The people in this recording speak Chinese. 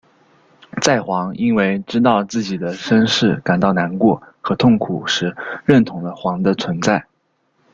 在煌因为知道自己的身世感到难过和痛苦时认同了煌的存在。